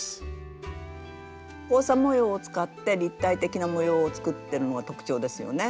交差模様を使って立体的な模様を作ってるのが特徴ですよね。